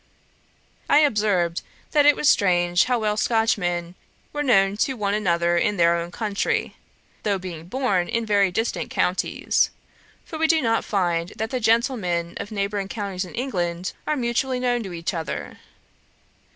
I observed that it was strange how well Scotchmen were known to one another in their own country, though born in very distant counties; for we do not find that the gentlemen of neighbouring counties in England are mutually known to each other.